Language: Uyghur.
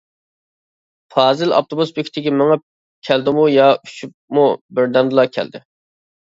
پازىل ئاپتوبۇس بېكىتىگە مېڭىپ كەلدىمۇ يا ئۇچۇپمۇ بىردەمدىلا كەلدى.